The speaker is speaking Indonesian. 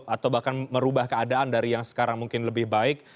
atau bahkan merubah keadaan dari yang sekarang mungkin lebih baik